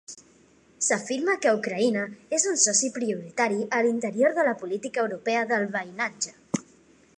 S'afirma que Ucraïna és un soci prioritari a l'interior de la Política Europea de Veïnatge.